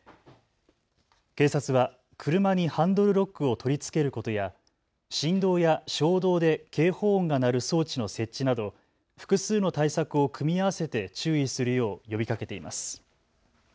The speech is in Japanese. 警察は車にハンドルロックを取り付けることや振動や衝動で警報音が鳴る装置の設置など複数の対策を組み合わせて注意するよう呼びかけています。